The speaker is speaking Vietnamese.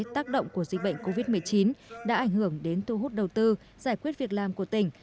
tác động của dịch bệnh covid một mươi chín đã ảnh hưởng đến thu hút đầu tư giải quyết việc làm của tỉnh